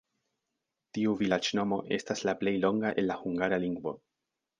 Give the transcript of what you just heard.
Tiu vilaĝnomo estas la plej longa en la hungara lingvo.